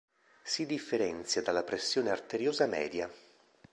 Si differenzia dalla pressione arteriosa media.